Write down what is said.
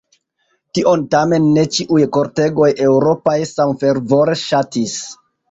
Tion tamen ne ĉiuj kortegoj eŭropaj samfervore ŝatis.